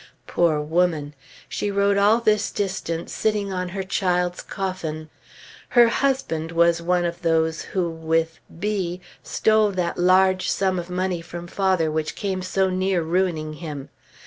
Poor woman! she rode all this distance sitting on her child's coffin. Her husband was one of those who with B stole that large sum of money from father which came so near ruining him.